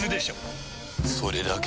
それだけ？